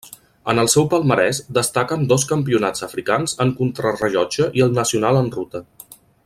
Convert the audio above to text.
En el seu palmarès destaquen dos Campionats africans en contrarellotge i el nacional en ruta.